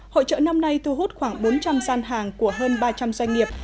hội trợ năm nay thu hút khoảng bốn trăm linh gian hàng của hơn ba trăm linh doanh nghiệp